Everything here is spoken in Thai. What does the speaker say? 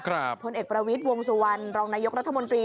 ผลเอกประวิทย์วงสุวรรณรองนายกรัฐมนตรี